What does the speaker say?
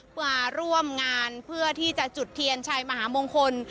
เพื่อร่วมงานเพื่อที่จะจุดเทียนชัยมหามงคล